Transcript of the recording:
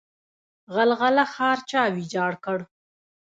غلغله ښار چا ویجاړ کړ؟